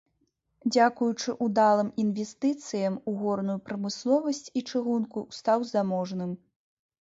Дзякуючы ўдалым інвестыцыям у горную прамысловасць і чыгунку стаў заможным.